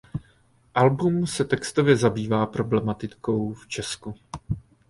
Album se textově zabývá problematikou v Česku.